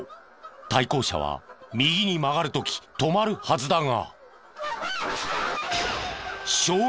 対向車は右に曲がる時止まるはずだが。